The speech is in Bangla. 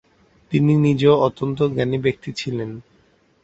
তিনি নিজেও অত্যন্ত জ্ঞানী ব্যক্তি ছিলেন।